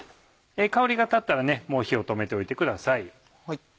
香りが立ったらもう火を止めておいてください。